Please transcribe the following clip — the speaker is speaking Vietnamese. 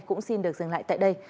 cũng xin được dừng lại tại đây